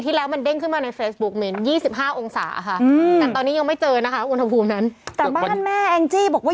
กรุงเทพเป็นยังไงบ้างคะ